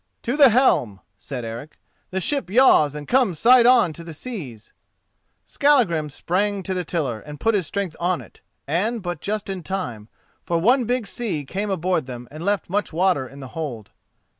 "To the helm," said Eric; "the ship yaws and comes side on to the seas." Skallagrim sprang to the tiller and put his strength on it, and but just in time, for one big sea came aboard them and left much water in the hold.